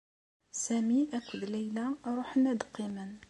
Sami akked Layla ruḥen ad qqimen.